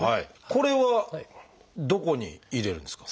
これはどこに入れるんですか？